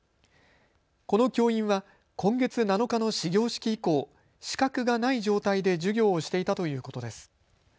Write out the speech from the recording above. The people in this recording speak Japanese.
この教員は今月７日の始業式以降、資格がない状態で授業をしていたということです。